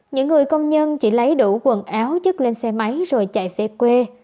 những người công nhân chỉ lấy đủ quần áo chức lên xe máy rồi chạy về quê